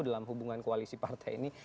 dalam hubungan koalisi partai ini